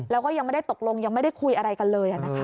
แล้วก็ยังไม่ได้ตกลงยังไม่ได้คุยอะไรกันเลย